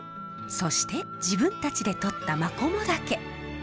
そして自分たちでとったマコモダケ。